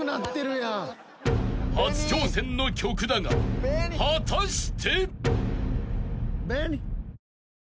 ［初挑戦の曲だが果たして］